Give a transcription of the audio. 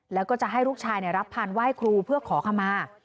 แล้วก็จะให้ลูกชายรับพันธ์ไหว้ครูเพื่อขอขมา